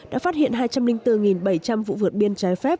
đã phát hiện hai trăm linh bốn bảy trăm linh vụ vượt biên trái phép